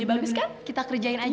beli bagus kan kita kerjain aja